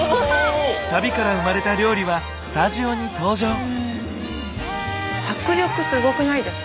旅から生まれた料理はスタジオに登場！